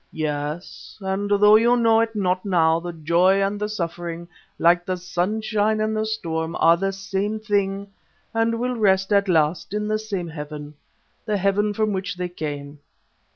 Yes, and though you know it not now, the joy and the suffering, like the sunshine and the storm, are the same thing, and will rest at last in the same heaven, the heaven from which they came.